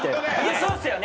そうですよね？